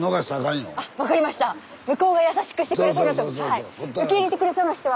向こうが優しくしてくれそうな人